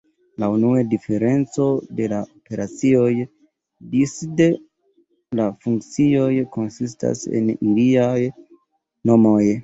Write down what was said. La unua diferenco de la operacioj disde la funkcioj konsistas en iliaj nomoj.